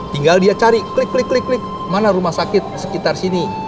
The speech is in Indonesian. tinggal dia cari klik klik klik lik mana rumah sakit sekitar sini